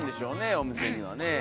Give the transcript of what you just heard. お店にはね。